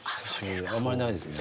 うんあんまりないですね。